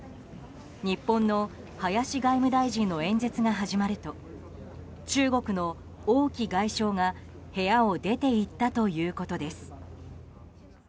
日本の林外務大臣の演説が始まると中国の王毅外相が、部屋を出て行ったということです。